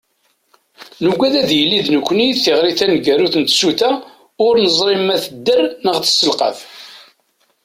Nugad ad yili d nekkni i d tiɣri taneggarut n tsuta ur neẓri ma tedder neɣ tesselqaf.